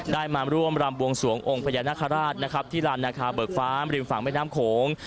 ได้มาร่วมรำวงสวงองค์พญานาคาราชที่ราญนาคาเบิกฟาร์มริมฝั่งแม่น้ำโขง